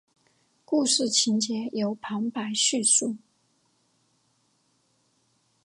故事情节由旁白叙述。